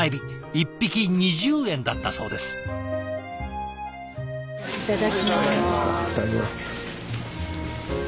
いただきます。